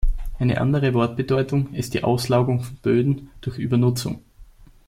Eine andere Wortbedeutung ist die Auslaugung von Böden durch Übernutzung.